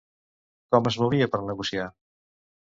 Com es movia per negociar?